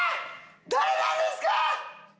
誰なんですか？